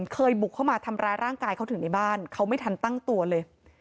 เคยบุกเข้ามาทำร้ายร่างกายเขาถึงในบ้านเขาไม่ทันตั้งตัวเลย